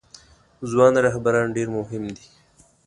ځوان رهبران ډیر مهم دي